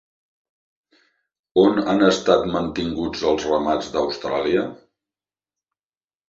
On han estat mantinguts els ramats d'Austràlia?